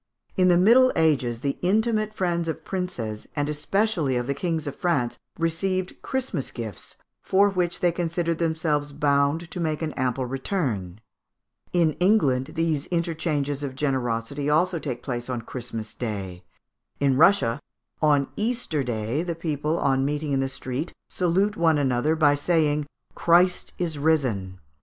In the Middle Ages the intimate friends of princes, and especially of the kings of France, received Christmas gifts, for which they considered themselves bound to make an ample return. In England these interchanges of generosity also take place on Christmas Day. In Russia, on Easter Day, the people, on meeting in the street, salute one another by saying "Christ is risen."